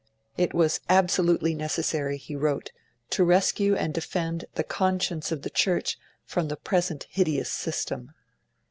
It was absolutely necessary, he wrote, to 'rescue and defend the conscience of the Church from the present hideous system'.